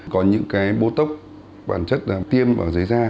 có những cái bò tóc bản chất là tiêm ở dưới da